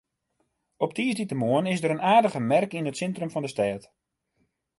Op tiisdeitemoarn is der in aardige merk yn it sintrum fan de stêd.